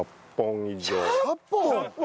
１００本！？